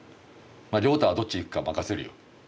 まあ崚太はどっち行くか任せるよ。